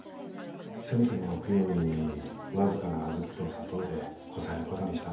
せめてもの供養に僅かな小豆と砂糖でこさえることにしたんです。